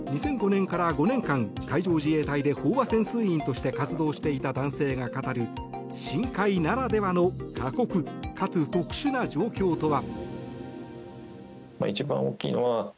２００５年から５年間海上自衛隊で飽和潜水員として活動していた男性が語る深海ならではの過酷かつ特殊な状況とは。